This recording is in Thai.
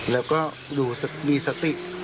แล้วก็ดูมีสติ